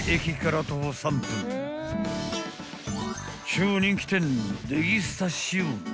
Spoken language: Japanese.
［超人気店］